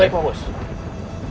baik pak bos